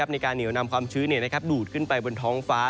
ในการเหนียวนำความชื้นดูดขึ้นไปบนท้องฟ้า